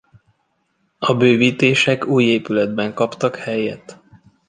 A bővítések új épületben kaptak helyet.